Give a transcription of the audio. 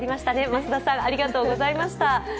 増田さんありがとうございました。